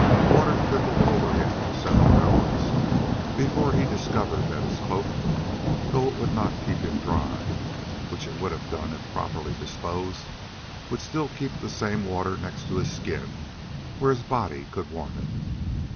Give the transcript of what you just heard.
Water trickled over him for several hours before he discovered that his cloak, though it would not keep him dry which it would have done if properly disposed would still keep the same water next to his skin where his body could warm it.